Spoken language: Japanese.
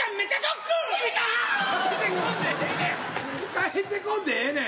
帰ってこんでええねん。